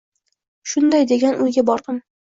Shunday degan o‘yga bordim.